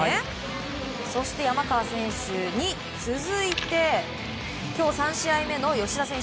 山川選手に続いて今日３試合目の吉田選手